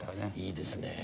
いいですね。